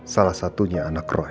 salah satunya anak roy